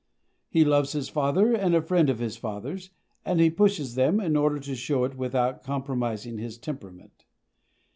He loves his father and a friend of his father's, and he pushes them, in order to show it without compromising his temperament.